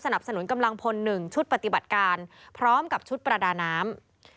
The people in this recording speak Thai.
สนุนกำลังพล๑ชุดปฏิบัติการพร้อมกับชุดประดาน้ำ